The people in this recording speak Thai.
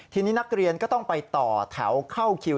ทีนี้นักเรียนก็ต้องไปต่อแถวเข้าคิว